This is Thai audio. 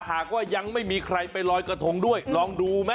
หากว่ายังไม่มีใครไปลอยกระทงด้วยลองดูไหม